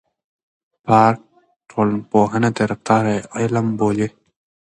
پارک ټولنپوهنه د رفتار علم بولي.